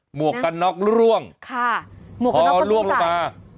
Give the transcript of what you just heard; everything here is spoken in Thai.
หมวกกันน็อกร่วงค่ะหมวกกันน็อกร่วงลงมาพอร่วงลงมา